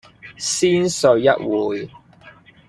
先睡一會